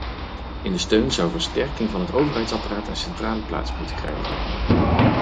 In de steun zou versterking van het overheidsapparaat een centrale plaats moeten krijgen.